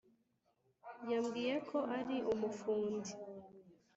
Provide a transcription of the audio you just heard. Yambwiye ko ari umufundi